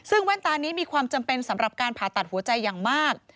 ซึ่งแว่นตานี้มีความจำเป็นสำหรับการผ่าตัดหัวใจอย่างมาก